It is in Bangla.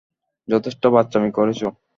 যথেষ্ট বাচ্চামি করেছো!